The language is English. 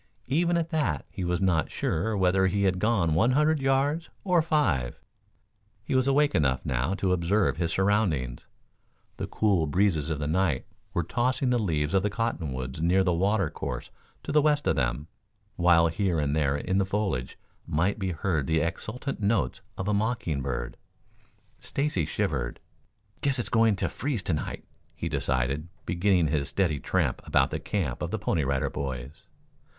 Even at that he was not sure whether he had gone one hundred yards or five. He was awake enough, now, to observe his surroundings. The cool breezes of the night were tossing the leaves of the cottonwoods near the water course to the west of them, while here and there in the foliage might be heard the exultant notes of a mocking bird. Stacy shivered. "Guess it's going to freeze to night," he decided, beginning his steady tramp about the camp of the Pony Rider Boys.